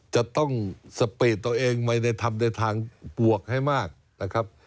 จะต้องสปีดตัวเองไม่ได้ทำในทางบวกให้มากนะครับ